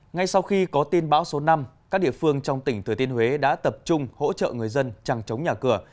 ngay sau khi có tin bão số năm các địa phương trong tỉnh thừa tiên huế đã tập trung hỗ trợ người dân chẳng chống nhà cửa